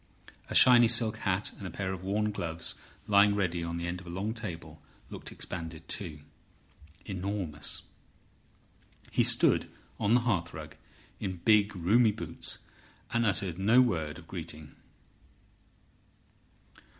A shiny silk hat and a pair of worn gloves lying ready on the end of a long table looked expanded too, enormous. He stood on the hearthrug in big, roomy boots, and uttered no word of greeting.